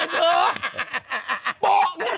เออ